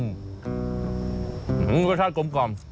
แม่เล็กครับ